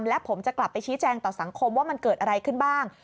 และผมจะกลับไปชี้แจงต่อสังคมว่ามันเกิดอะไรขึ้นบ้าง